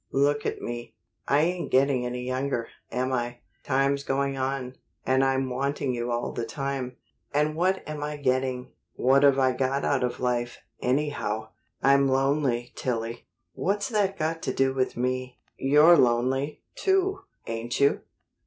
Look at me. I ain't getting any younger, am I? Time's going on, and I'm wanting you all the time. And what am I getting? What've I got out of life, anyhow? I'm lonely, Tillie!" "What's that got to do with me?" "You're lonely, too, ain't you?"